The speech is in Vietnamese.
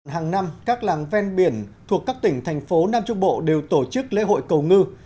hàng năm các làng ven biển thuộc các tỉnh thành phố nam trung bộ đều tổ chức lễ hội cầu ngư